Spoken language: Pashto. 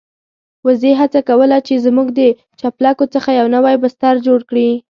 وزې هڅه کوله چې زموږ د چپلکو څخه يو نوی بستر جوړ کړي.